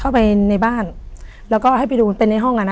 เรากำลังให้ดึงเร้าเข้าไปในบ้าน